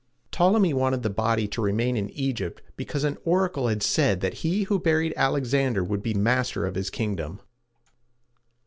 Ptolemy wanted the body to remain in Egypt because an oracle had said that he who buried Alexander would be master of his kingdom.